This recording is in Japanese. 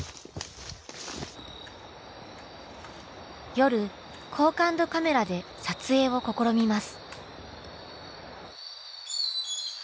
夜高感度カメラで撮影を試みます。